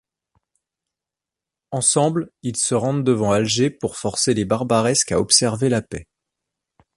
Ensemble, ils se rendent devant Alger, pour forcer les Barbaresques à observer la paix.